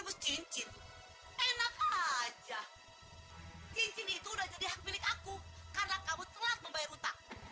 bu nita ini maunya apa sih